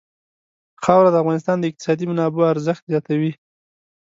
خاوره د افغانستان د اقتصادي منابعو ارزښت زیاتوي.